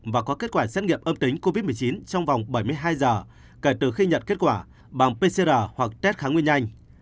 và có kết quả xét nghiệm âm tính covid một mươi chín trong vòng bảy mươi hai giờ kể từ khi nhận kết quả bằng pcr hoặc test kháng nguyên nhanh